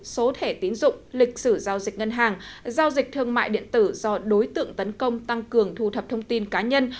số thẻ tín dụng lịch sử giao dịch ngân hàng giao dịch thương mại điện tử do đối tượng tấn công tăng cường thu thập thông tin cá nhân